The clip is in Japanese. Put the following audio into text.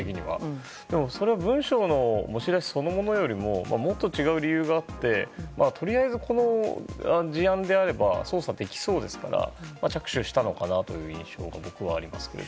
でもそれは文書の持ち出しそのものよりももっと違う理由があってとりあえずこの事案であれば捜査できそうですから着手したのかなという印象が僕はありますが。